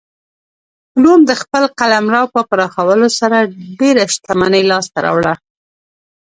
روم د خپل قلمرو په پراخولو سره ډېره شتمني لاسته راوړه